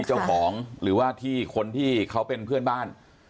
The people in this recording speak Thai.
เจ้าของหรือว่าที่คนที่เขาเป็นเพื่อนบ้าน